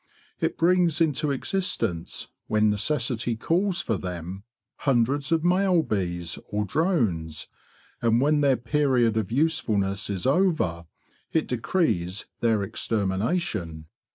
It brings into existence, when necessity calls for them, hundreds of male bees or drones, and when their period of usefulness is over it decrees their extermination.